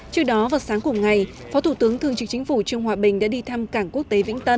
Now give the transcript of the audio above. trước đó vào sáng cùng ngày phó thủ tướng thương trực chính phủ trương hòa bình đã đi thăm cảng quốc tế vĩnh tân